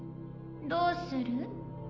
どうする？